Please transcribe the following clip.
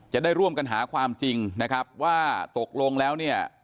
จะได้ร่วมกันหาความจริงนะครับว่าตกลงแล้วเนี่ย